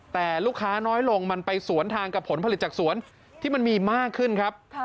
แต่ลูกค้าน้อยลงมันไปสวนทางกับผลผลิตจากสวนที่มันมีมากขึ้นครับ